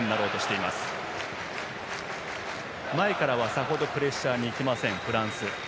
前からはさほどプレッシャーにいきません、フランス。